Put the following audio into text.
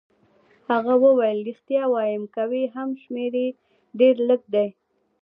هغه وویل: ریښتیا وایم، که وي هم شمېر يې ډېر لږ دی.